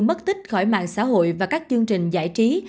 mất tích khỏi mạng xã hội và các chương trình giải trí